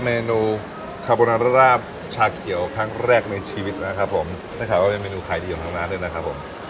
เมนูคาโบนาราบชาเขียวครั้งแรกในชีวิตนะครับผมได้ข่าวว่าเป็นเมนูขายดีของทางร้านด้วยนะครับผม